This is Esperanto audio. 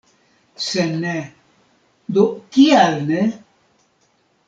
Se ne, do kial ne?